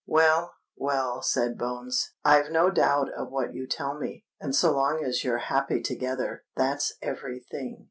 "Well—well," said Bones: "I've no doubt of what you tell me; and so long as you're happy together, that's every thing."